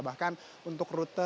bahkan untuk rute